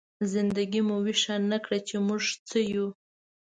زنده ګي مو ويښه نه کړه، چې موږ څه يو؟!